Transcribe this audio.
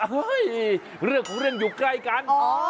เฮ้ยเรื่องของเรื่องอยู่ใกล้กัน